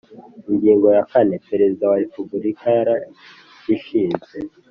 Ingingo ya kane Perezida wa Repubulika yararishinze